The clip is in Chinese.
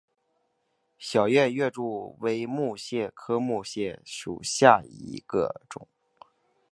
小叶月桂为木犀科木犀属下的一个种。